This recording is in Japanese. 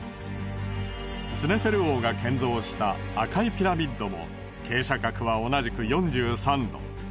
スネフェル王が建造した赤いピラミッドも傾斜角は同じく４３度。